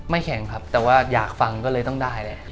แข็งครับแต่ว่าอยากฟังก็เลยต้องได้แหละ